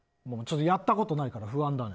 やったことないから不安だね。